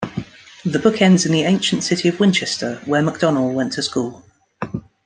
The book ends in the ancient city of Winchester, where Macdonell went to school.